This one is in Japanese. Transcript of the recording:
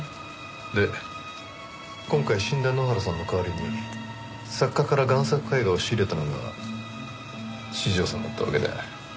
で今回死んだ埜原さんの代わりに作家から贋作絵画を仕入れたのが四条さんだったわけで。